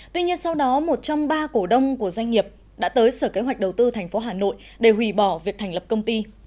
tuy nhiên sau đó một trong ba cổ đông của doanh nghiệp đã tới sở kế hoạch đầu tư tp hà nội để hủy bỏ việc thành lập công ty